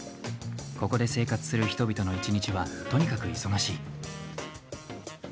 ここで生活する人々の一日はとにかく忙しい。